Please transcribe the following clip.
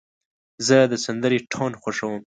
زه د سندرې ټون خوښوم.